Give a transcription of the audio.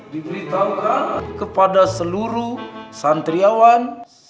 diberitakan kepada seluruh santriawan